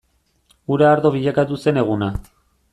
Ura ardo bilakatu zen eguna.